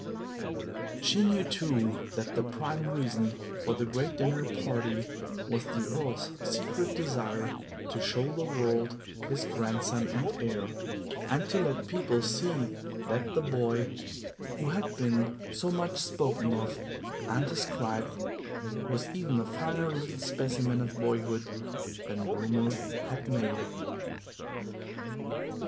She knew, too, that the prime reason for the great dinner party was the Earl's secret desire to show the world his grandson and heir, and to let people see that the boy who had been so much spoken of and described was even a finer little specimen of boyhood than rumor had made him.